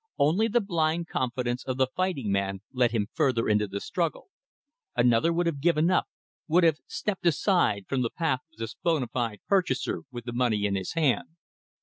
Only the blind confidence of the fighting man led him further into the struggle. Another would have given up, would have stepped aside from the path of this bona fide purchaser with the money in his hand.